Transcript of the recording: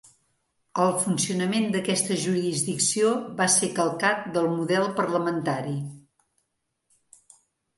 El funcionament d'aquesta jurisdicció va ser calcat del model parlamentari.